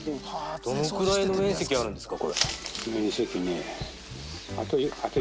どのくらいの面積あるんですか？